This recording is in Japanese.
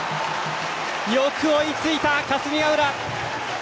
よく追いついた霞ヶ浦。